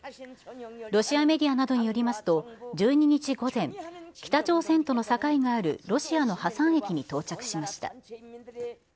ロシアメディアなどによりますと、１２日午前、北朝鮮との境があるロシアのハサン駅に到着しました。